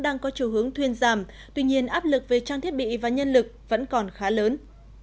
đang có chiều hướng thuyên giảm tuy nhiên áp lực về trang thiết bị và nhân lực vẫn còn khá lớn